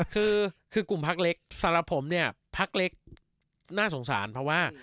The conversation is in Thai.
คือกลุ่มพักเล็กสำหรับผมเนี่ยพักเล็กน่าสงสารเพราะว่า